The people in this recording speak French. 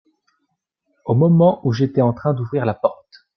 Au moment où j’étais en train d’ouvrir la porte.